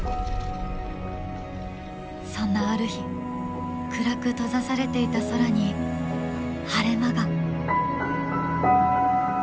そんなある日暗く閉ざされていた空に晴れ間が！